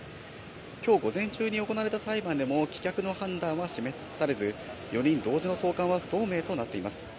きょう午前中に行われた裁判でも棄却の判断は示されず、４人同時の送還は不透明となっています。